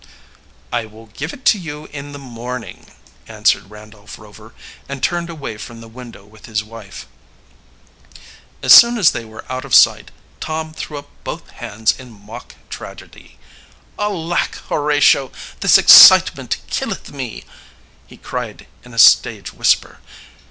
"I will give it to you in the morning," answered Randolph Rover, and turned away from the window with his wife. As soon as they were out of sight, Tom threw up both hands in mock tragedy, "Alack, Horatio, this excitement killeth me!" he cried in a stage whisper.